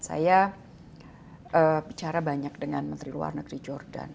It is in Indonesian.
saya bicara banyak dengan menteri luar negeri jordan